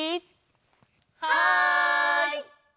はい！